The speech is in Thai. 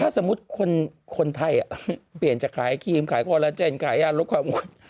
ถ้าสมมุติคนไทยเปลี่ยนจะขายครีมขายโคลาเจนขายอารกษ์ความอุ่น